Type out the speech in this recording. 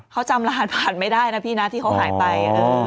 เขาจำรหัสผ่านไม่ได้นะพี่นะที่เขาหายไป